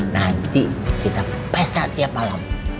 nanti kita pesta tiap malam